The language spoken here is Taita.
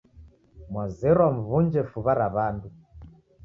Mwazerwa mw'unje fuw'a ra w'andu,